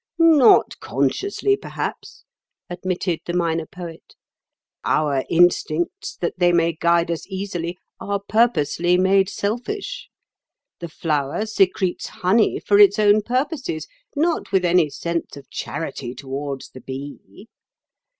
"Not consciously, perhaps," admitted the Minor Poet. "Our instincts, that they may guide us easily, are purposely made selfish. The flower secretes honey for its own purposes, not with any sense of charity towards the bee.